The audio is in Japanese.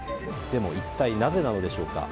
でも一体なぜなのでしょうか。